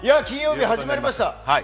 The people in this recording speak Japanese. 金曜日、始まりました。